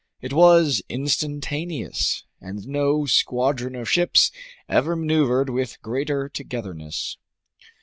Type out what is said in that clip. It was instantaneous, and no squadron of ships ever maneuvered with greater togetherness.